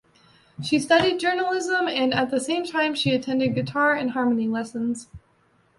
She studied journalism and at the same time she attended guitar and harmony lessons.